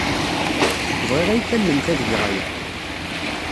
Bɣiɣ ad iyi-tallemt ad geɣ aya.